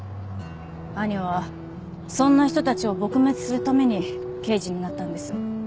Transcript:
兄はそんな人たちを撲滅するために刑事になったんです。